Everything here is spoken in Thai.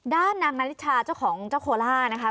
ด้านนางนาฬิชาเจ้าของเจ้าโคล่านะคะ